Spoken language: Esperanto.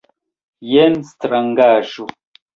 Jen strangaĵo.